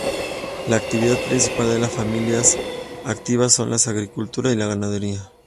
La actividad principal de las familias activas son la agricultura y la ganadería.